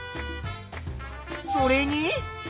それに？